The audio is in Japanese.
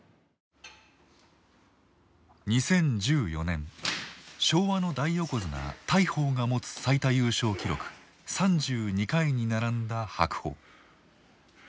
ものすごく昭和の大横綱大鵬が持つ最多優勝記録３２回に並んだ白鵬。